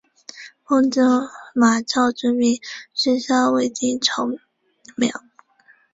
奉司马昭之命弑害魏帝曹髦。